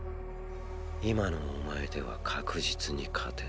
今のお前では確実に勝てない。